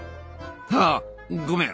ああごめん。